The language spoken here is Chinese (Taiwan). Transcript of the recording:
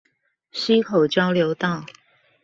溪口交流道